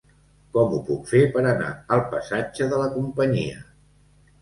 Com ho puc fer per anar al passatge de la Companyia?